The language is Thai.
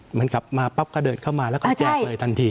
เหมือนกลับมาปั๊บก็เดินเข้ามาแล้วก็แจกเลยทันที